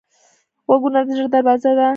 غوږونه د زړه دروازه ده